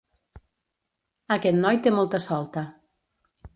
Aquest noi té molta solta.